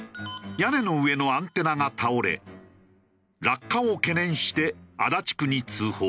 屋根の上のアンテナが倒れ落下を懸念して足立区に通報。